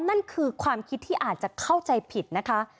นั่นคือความคิดที่อาจจะเข้าใจผิดนะคะ